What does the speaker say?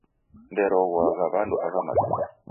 Nderoghoagha w'andu agha matuku